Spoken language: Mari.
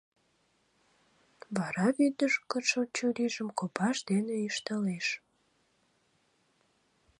Вара вӱдыжгышӧ чурийжым копаж дене ӱштылеш.